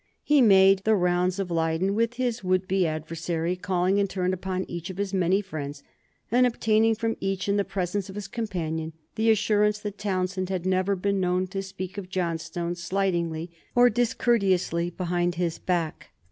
He made the rounds of Leyden with his would be adversary, calling in turn upon each of his many friends, and obtaining from each, in the presence of his companion, the assurance that Townshend had never been known to speak of Johnstone slightingly or discourteously behind his back.